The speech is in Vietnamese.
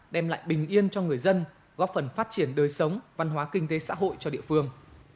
đem lại bình yên cho người dân góp phần phát triển đời sống văn hóa kinh tế xã hội cho địa phương